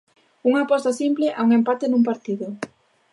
Unha aposta simple a un empate nun partido.